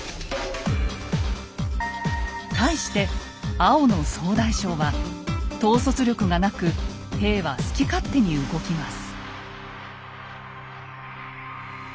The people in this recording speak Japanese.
対して青の総大将は統率力がなく兵は好き勝手に動きます。